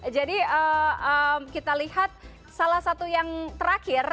jadi kita lihat salah satu yang terakhir